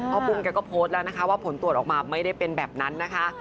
ปุ้มแกก็โพสต์แล้วนะคะว่าผลตรวจออกมาไม่ได้เป็นแบบนั้นนะคะ